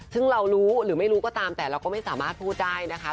ซึ่งเรารู้หรือไม่รู้ก็ตามแต่เราก็ไม่สามารถพูดได้นะคะ